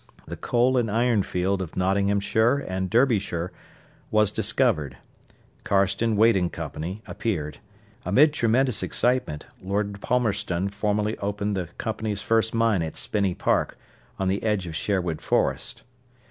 The coal and iron field of Nottinghamshire and Derbyshire was discovered. Carston, Waite and Co. appeared. Amid tremendous excitement, Lord Palmerston formally opened the company's first mine at Spinney Park, on the edge of Sherwood Forest.